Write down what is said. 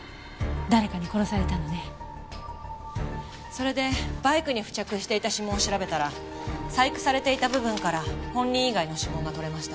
それでバイクに付着していた指紋を調べたら細工されていた部分から本人以外の指紋が取れました。